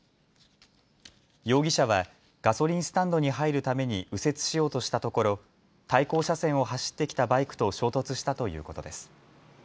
容疑者はガソリンスタンドに入るために右折しようとしたところ対向車線を走ってきたバイクと衝突したということです。